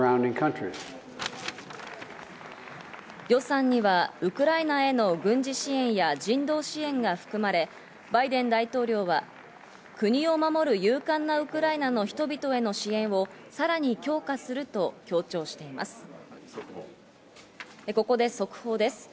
予算にはウクライナへの軍事支援や人道支援が含まれ、バイデン大統領は、国を守る勇敢なウクライナの人々への支援をさらに強化すると強調しています。